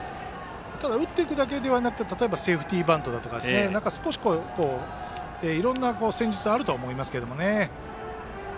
ただ、打っていくだけではなくセーフティーバントだとかいろんな戦術があるとは思います。